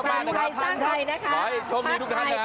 ประปันไลน์ทะลัยสร้างไทยนะคะวาอยด์ครบมีทุกท่านนะคะ